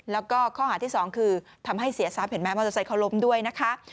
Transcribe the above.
แล้วก็ข้อหาที่๒คือทำให้เสียซ้ำเห็นไหมมันจะใส่เขาล้มด้วยนะคะ